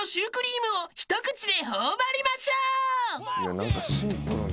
何かシンプルな。